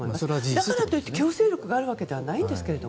だからと言って強制力があるわけではないですが。